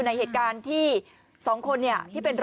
ไม่รู้อะไรกับใคร